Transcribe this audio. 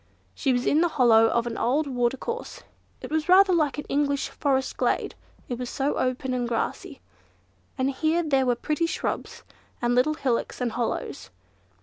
She was in the hollow of an old watercourse. It was rather like an English forest glade, it was so open and grassy; and here and there were pretty shrubs, and little hillocks and hollows.